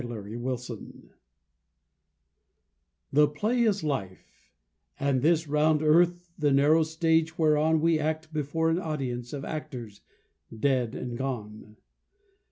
In the Wings The play is Life; and this round earth, The narrow stage whereon We act before an audience Of actors dead and gone.